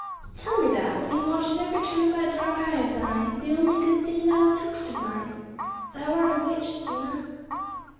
"Tell me that, when he watches every turn of that dark eye of thine—the only good thing thou took'st of mine! Thou art a witch, Stina."